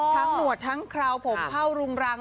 หนวดทั้งคราวผมเผ่ารุงรัง